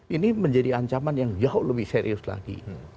ini menjadi ancaman yang jauh lebih serius lagi